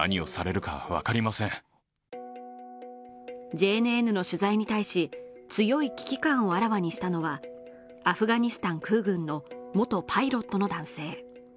ＪＮＮの取材に対し、強い危機感をあらわにしたのはアフガニスタン空軍の元パイロットの男性。